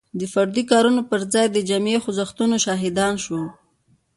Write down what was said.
د فردي کارونو پر ځای د جمعي خوځښتونو شاهدان شو.